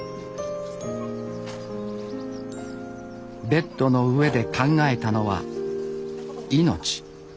ベッドの上で考えたのは命。